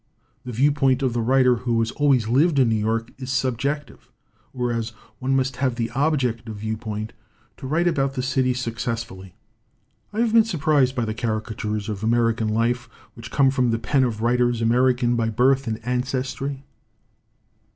The viewpoint of the writer who has always lived in New York is subjective, whereas one must have the objective viewpoint to write about the city successfully. "I have been surprised by the caricatures of 53 ROMANTICISM AND HUMOR American life which come from the pen of writers American by birth and ancestry.